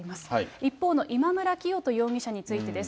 一方の今村磨人容疑者についてです。